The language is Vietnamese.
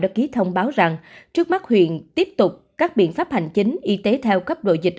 đã ký thông báo rằng trước mắt huyện tiếp tục các biện pháp hành chính y tế theo cấp độ dịch